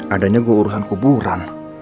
adanya gue urusan kuburan